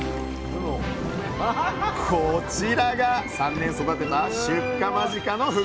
こちらが３年育てた出荷間近のふぐ。